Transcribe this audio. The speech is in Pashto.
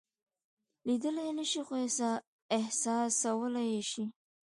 لیدلی یې نشئ خو احساسولای یې شئ.